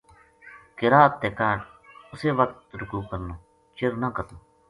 قرات تے کاہڈ اسے وخت رکوع کرنو، چر نہ کرنو۔